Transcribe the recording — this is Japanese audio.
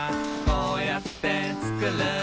こうやってつくる」